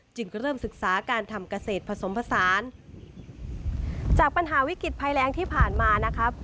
จึงก็เริ่มศึกษาการทำเกษตรผสมผสาน